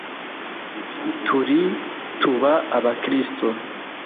turi tuba abakristu